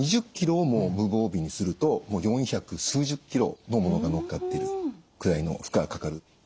２０ｋｇをも無防備にすると四百数十ｋｇの物がのっかってるくらいの負荷がかかる。